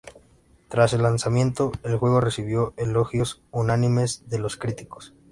Tras el lanzamiento, el juego recibió elogios unánimes de los críticos.